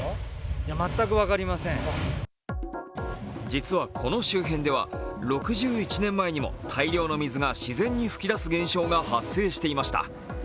実はこの周辺では６１年前にも大量の水が自然に噴き出す現象が発生していました。